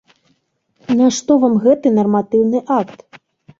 Нашто вам гэты нарматыўны акт?